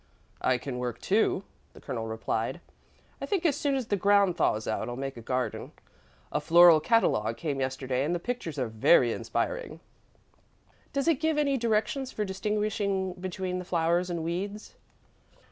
"I can work, too," the Colonel replied. "I think as soon as the ground thaws out, I'll make a garden. A floral catalogue came yesterday and the pictures are very inspiring." "Does it give any directions for distinguishing between the flowers and weeds?"